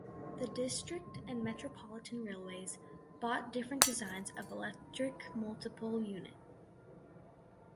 The District and Metropolitan Railways bought different designs of electric multiple unit.